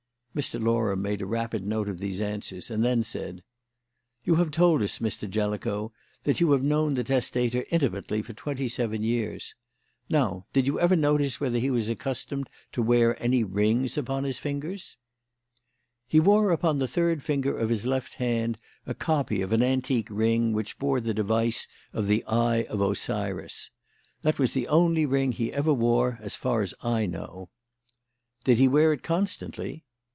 Mr. Loram made a rapid note of these answers, and then said: "You have told us, Mr. Jellicoe, that you have known the testator intimately for twenty seven years. Now, did you ever notice whether he was accustomed to wear any rings upon his fingers?" "He wore upon the third finger of his left hand a copy of an antique ring which bore the device of the Eye of Osiris. That was the only ring he ever wore as far as I know." "Did he wear it constantly?"